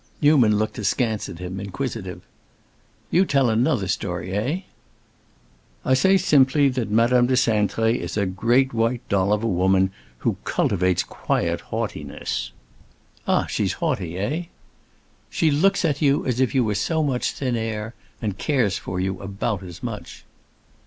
Newman looked askance at him, inquisitive. "You tell another story, eh?" "I say simply that Madame de Cintré is a great white doll of a woman, who cultivates quiet haughtiness." "Ah, she's haughty, eh?" "She looks at you as if you were so much thin air, and cares for you about as much."